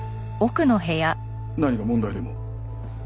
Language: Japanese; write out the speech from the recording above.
何か問題でも？